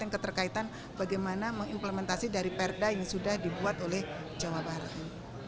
keterkaitan bagaimana mengimplementasi dari perda yang sudah dibuat oleh jawa barat